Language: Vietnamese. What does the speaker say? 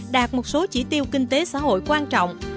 đạt một số chỉ tiêu kinh tế xã hội quan trọng